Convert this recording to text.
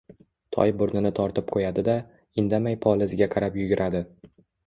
Toy burnini tortib qo‘yadi-da, indamay polizga qarab yuguradi.